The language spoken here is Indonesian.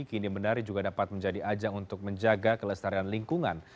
kini menari juga dapat menjadi ajang untuk menjaga kelestarian lingkungan